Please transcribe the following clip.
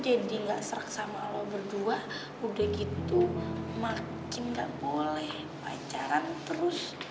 jadi gak serah sama lo berdua udah gitu makin gak boleh pacaran terus